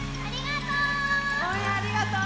ありがとう！